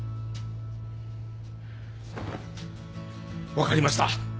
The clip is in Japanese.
分かりました。